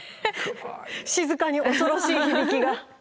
静かに恐ろしい響きが。